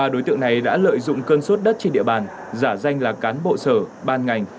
ba đối tượng này đã lợi dụng cơn sốt đất trên địa bàn giả danh là cán bộ sở ban ngành